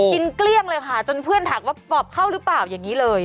เกลี้ยงเลยค่ะจนเพื่อนถามว่าปอบเข้าหรือเปล่าอย่างนี้เลย